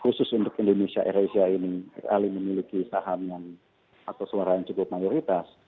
khusus untuk indonesia dan eurasia ini rally memiliki saham atau suara yang cukup mayoritas